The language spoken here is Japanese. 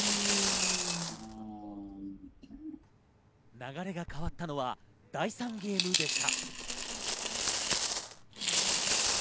流れが変わったのは第３ゲームでした。